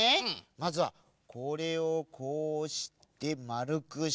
まずはこれをこうしてまるくして。